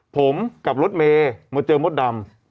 ผมกับรถเมย์มาเจอมดดำ